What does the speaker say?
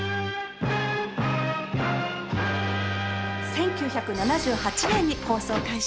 １９７８年に放送開始。